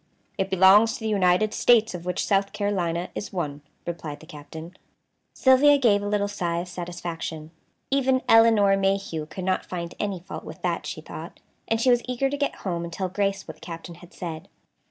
"It belongs to the United States, of which South Carolina is one," replied the Captain. Sylvia gave a little sigh of satisfaction. Even Elinor Mayhew could not find any fault with that, she thought, and she was eager to get home and tell Grace what the Captain had said.